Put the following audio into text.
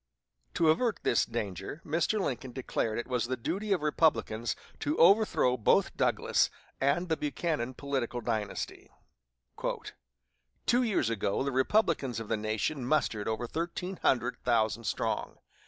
To avert this danger, Mr. Lincoln declared it was the duty of Republicans to overthrow both Douglas and the Buchanan political dynasty. "Two years ago the Republicans of the nation mustered over thirteen hundred thousand strong.